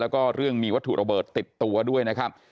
แล้วก็เรื่องมีวัตถุระเบิดติดตัวด้วยนะครับ